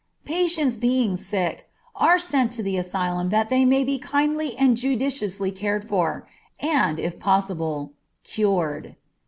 Patients being sick, are sent to the asylum that they may be kindly and judiciously cared for, and, if possible, cured.